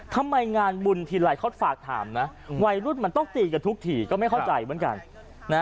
ทำไมงานบุญทีไรเขาฝากถามนะวัยรุ่นมันต้องตีกันทุกทีก็ไม่เข้าใจเหมือนกัน